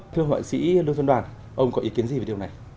thưa họa sĩ lương xuân đoàn ông có ý kiến gì về điều này